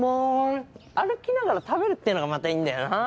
歩きながら食べるってのがまたいいんだよなぁ。